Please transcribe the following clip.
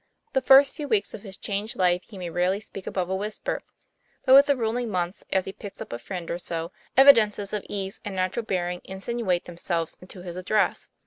The first few weeks of his changed life he may rarely speak above a whisper. But with the rolling months, as he picks up a friend or so, evidences of ease and natural bearing insinuate themselves into his address.